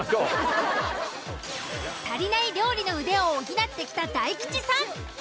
足りない料理の腕を補ってきた大吉さん。